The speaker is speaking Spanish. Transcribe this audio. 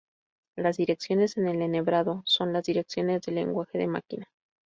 Las direcciones en el enhebrado son las direcciones del lenguaje de máquina.